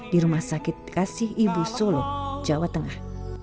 dirumah sakit kasih ibu solo jawa tengah